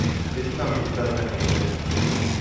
Vyzývám k důrazné podpoře.